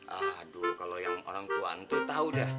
aduh kalau yang orang tuaan tuh tau dah